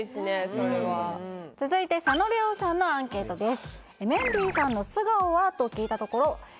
それは続いて佐野玲於さんのアンケートです